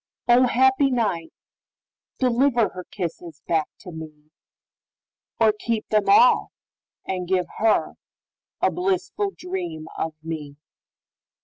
O, happy night, deliverHer kisses back to me, Or keep them all, and give herA blissful dream of me!